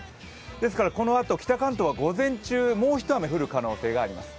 ですからこのあと、北関東は午前中もう一雨降る可能性があります。